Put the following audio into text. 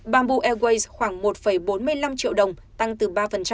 bamboo airways khoảng một bốn mươi năm triệu đồng tăng từ ba